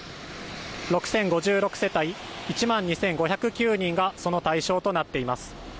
６０５６世帯、１万２５０９人がその対象となっています